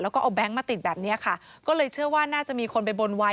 แล้วก็เอาแก๊งมาติดแบบเนี้ยค่ะก็เลยเชื่อว่าน่าจะมีคนไปบนไว้